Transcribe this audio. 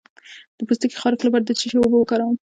د پوستکي خارښ لپاره د څه شي اوبه وکاروم؟